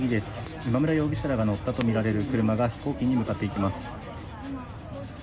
今村容疑者らが乗ったとみられる車が飛行機に向かっていきます。